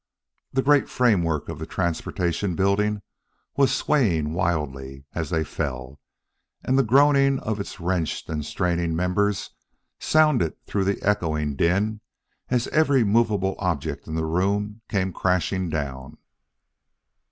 The great framework of the Transportation Building was swaying wildly as they fell, and the groaning of its wrenched and straining members sounded through the echoing din as every movable object in the room came crashing down.